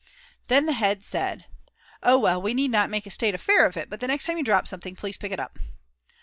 Then the head said: "Oh well, we need not make a state affair of it, but the next time you drop something, please pick it up."